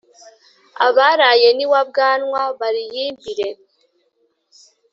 abaraye n'iwa bwanwa bariyimbire.